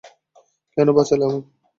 কেন বাঁচালে আমাকে?